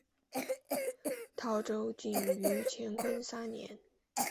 陶绍景于乾隆三年。